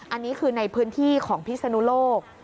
อันนี้คือในพื้นที่ของพิศนุโลก